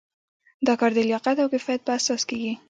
دا کار د لیاقت او کفایت په اساس کیږي.